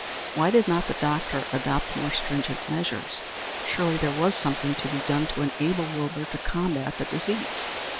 Why did not the doctor adopt more stringent measures? Surely there was something to be done to enable Wilbur to combat the disease.